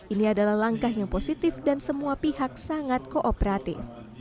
ini adalah langkah yang positif dan semua pihak sangat kooperatif